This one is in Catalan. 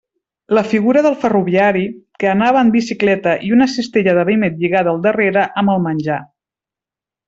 La figura del ferroviari, que anava en bicicleta i una cistella de vímets lligada al darrere amb el menjar.